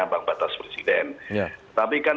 ambang batas presiden tapi kan